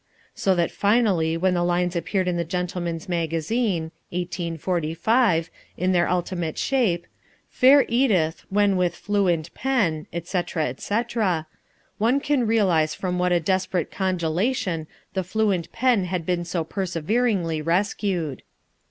So that finally, when the lines appeared in the Gentleman's Magazine (1845) in their ultimate shape "Fair Edith, when with fluent pen," etc., etc. one can realize from what a desperate congelation the fluent pen had been so perseveringly rescued.